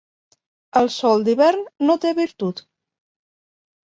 El sol d'hivern no té virtut.